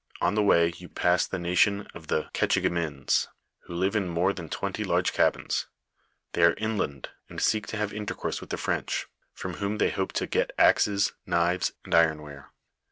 On the way you pass the nation of the Ketchigamins, who live in more than twenty large cabins; they are inland, and seek to have intercourse with the I'rench, from whom they hope to get axes, knives, and ironware.